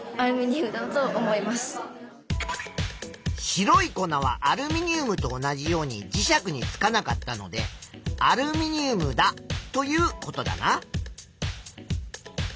白い粉はアルミニウムと同じように磁石につかなかったのでアルミニウムだということだな。